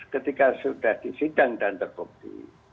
ketika sudah disidang dan terbukti